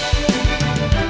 ya kita berhasil